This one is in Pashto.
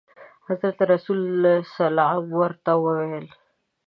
حضرت رسول صلعم ورته وویل.